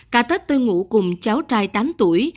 cả tết tôi ngủ cùng cháu trai tám tuổi